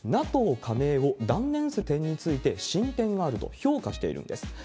ＮＡＴＯ加盟を断念する点について進展があると、評価しているんです。